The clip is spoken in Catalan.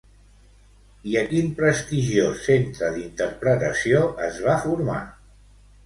I a quin prestigiós centre d'interpretació es va formar?